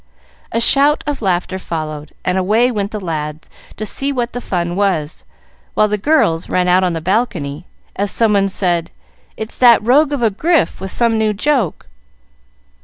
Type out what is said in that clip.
A shout of laughter followed, and away went the lads, to see what the fun was, while the girls ran out on the balcony, as someone said, "It's that rogue of a Grif with some new joke."